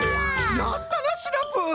やったなシナプー！